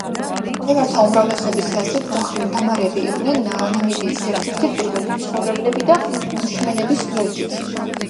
მკვლევართა უმრავლესობის აზრით დამარები იყვნენ ნამიბიის ერთ-ერთი პირველი მცხოვრებლები ბუშმენების გვერდით.